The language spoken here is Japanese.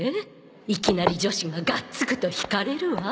いきなり女子ががっつくと引かれるわ